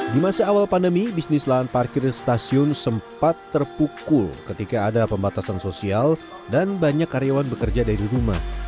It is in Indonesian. di masa awal pandemi bisnis lahan parkir dan stasiun sempat terpukul ketika ada pembatasan sosial dan banyak karyawan bekerja dari rumah